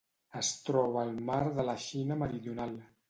Es troba al mar de la Xina Meridional.